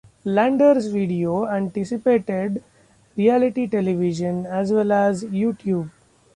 Landers's videos anticipated reality television, as well as YouTube.